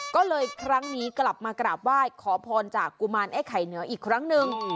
ก็เลยครั้งนี้กลับมากราบไหว้ขอพรจากกุมารไอ้ไข่เหนืออีกครั้งหนึ่ง